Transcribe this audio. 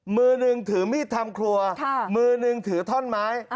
มือหนึ่งถือมีดทำครัวมือหนึ่งถือท่อนไม้